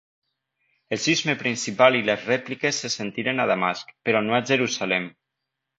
El sisme principal i les rèpliques se sentiren a Damasc, però no a Jerusalem.